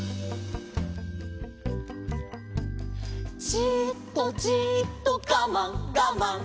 「じーっとじーっとガマンガマン」